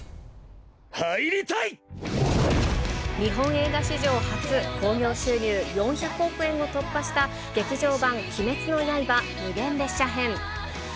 日本映画史上初、興行収入４００億円を突破した、劇場版鬼滅の刃無限列車編。